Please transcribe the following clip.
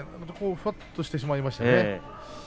ふわっとしてしまいましたね。